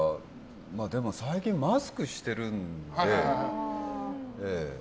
でも最近マスクしてるので。